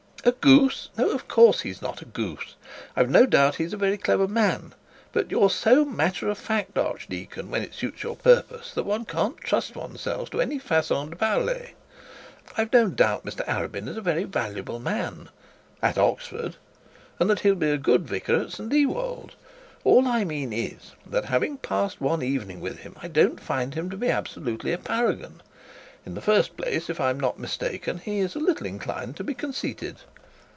'A goose! No of course, he's not a goose. I've no doubt he's a very clever man. But you're so matter of fact, archdeacon, when it suits your purpose, that one can't trust oneself to any facon de parler. I've no doubt Mr Arabin is a very valuable man at Oxford, and that he'll be a good vicar at St Ewold. All I mean is, that having passed one evening with him, I don't find him to be absolutely a paragon. In the first place, if I am not mistaken, he is a little inclined to be conceited.'